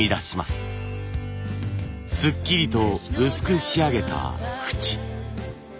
すっきりと薄く仕上げた縁。